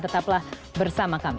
tetaplah bersama kami